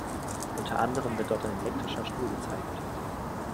Unter anderem wird dort ein elektrischer Stuhl gezeigt.